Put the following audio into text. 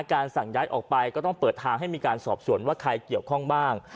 การสั่งย้ายออกไปก็ต้องเปิดทางให้มีการสอบส่วนว่าใครเกี่ยวข้องบ้าง